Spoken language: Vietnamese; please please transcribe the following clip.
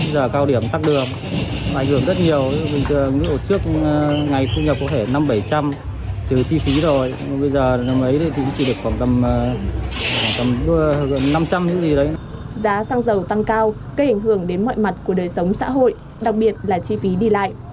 giá xăng dầu tăng cao gây ảnh hưởng đến mọi mặt của đời sống xã hội đặc biệt là chi phí đi lại